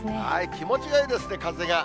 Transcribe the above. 気持ちがいいですね、風が。